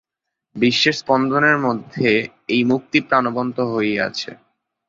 বিশ্বের স্পন্দনের মধ্যে এই মুক্তি প্রাণবন্ত হইয়া আছে।